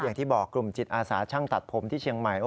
อย่างที่บอกกลุ่มจิตอาสาช่างตัดผมที่เชียงใหม่